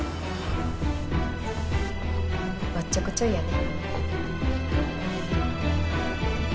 おっちょこちょいやね。